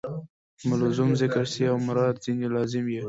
ملزوم ذکر سي او مراد ځني لازم يي.